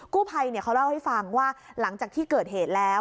กู้ภัยเขาเล่าให้ฟังว่าหลังจากที่เกิดเหตุแล้ว